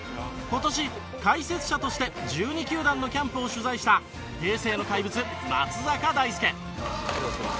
今年解説者として１２球団のキャンプを取材した平成の怪物松坂大輔。